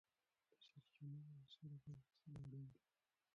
د سرچینو مؤثره کار اخیستل اړین دي.